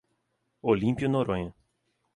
Olímpio Noronha